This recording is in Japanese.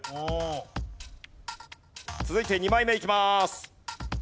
続いて２枚目いきます。